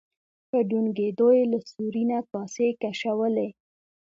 په ډونګیدو یې له سوري نه کاسې کشولې.